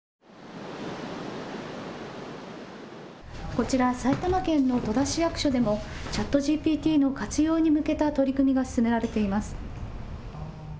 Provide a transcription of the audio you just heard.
こちら、埼玉県の戸田市役所でもＣｈａｔＧＰＴの活用に向けた取り組みが進められています。